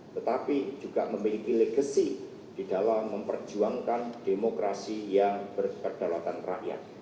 tetapi juga memiliki legacy di dalam memperjuangkan demokrasi yang berkedalatan rakyat